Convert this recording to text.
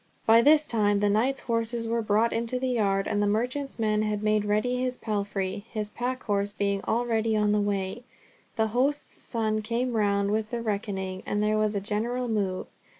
By this time the knight's horses were brought into the yard, and the merchant's men had made ready his palfrey, his pack horse being already on the way; the host's son came round with the reckoning, and there was a general move.